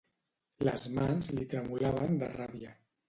Les mans li tremolaven de ràbia.